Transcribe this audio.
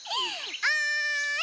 おい！